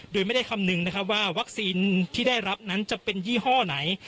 โดยไม่ได้คำนึงนะครับว่าวัคซีนที่ได้รับนั้นจะเป็นยี่ห้อไหน